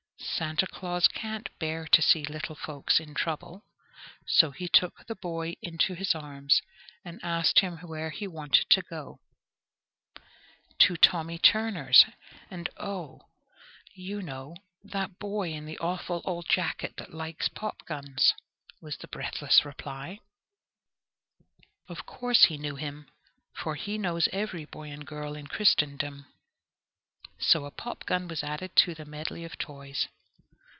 Santa Claus can't bear to see little folks in trouble, so he took the boy into his arms, and asked him where he wanted to go. "To Tommy Turner's, and oh, you know that boy in the awful old jacket that likes popguns," was the breathless reply. Of course he knew him, for he knows every boy and girl in Christendom; so a popgun was added to the medley of toys.